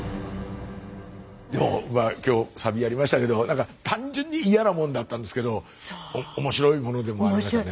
今日「サビ」やりましたけどなんか単純に嫌なもんだったんですけど面白いものでもありましたね。